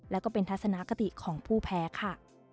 และก็เป็นทัศนคติของผู้แพ้ค่ะ